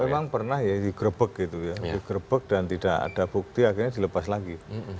memang pernah ya digrebek gitu ya digrebek dan tidak ada bukti akhirnya dilepas lagi